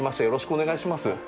よろしくお願いします。